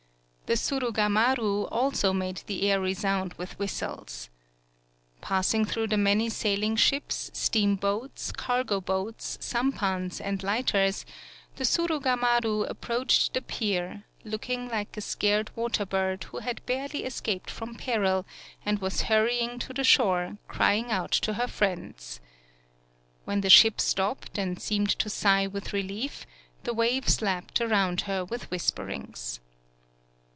The Surugamaru also made the air resound with whistles! Passing through the many sailing ships, steam boats, cargo boats, sampans and light ers, the Surugamaru approached the pier, looking like a scared water bird/ who had barely escaped from peril, ana was hurrying to the shore, crying out to her friends. When the ship stopped, and seemed to sigh with relief, the waves lapped about her with whisperings.